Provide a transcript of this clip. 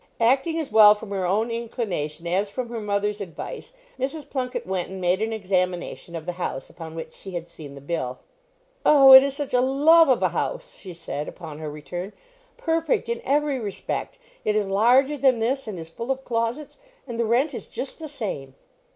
Acting as well from her own inclination as from her mother's advice, Mrs. Plunket went and made an examination of the house upon which she had seen the bill. "Oh, it is such a love of a house!" she said, upon her return. "Perfect in every respect: it is larger than this, and is full of closets; and the rent is just the same."